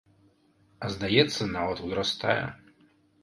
А здаецца, нават узрастае.